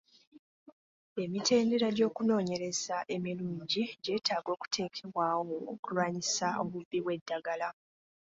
Emitendera gy'okunoonyereza emirungi gyetaaga okuteekebwawo okulwanyisa obubbi bw'eddagala.